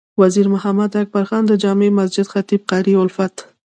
وزیر محمد اکبر خان د جامع مسجد خطیب قاري الفت،